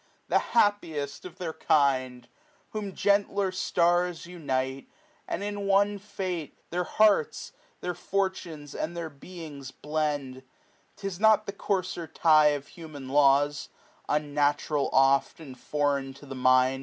the happiest of their kind ! mo Whom gentler itars unite, ind in one fate, Their hearts, their fortunes^ and their beings blend, *Tis not the coarser tie of huhian laws, Unnatural oft, and foreign to the mind.